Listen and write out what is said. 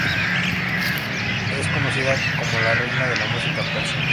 Es conocida como "la Reina de la música persa".